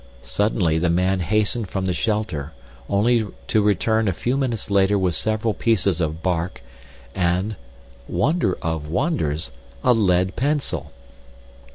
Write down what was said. Suddenly the man hastened from the shelter only to return a few minutes later with several pieces of bark and—wonder of wonders—a lead pencil.